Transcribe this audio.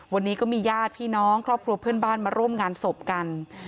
วันนี้ก็มีญาติพี่น้องครอบครัวเพื่อนบ้านมาร่วมงานศพกัน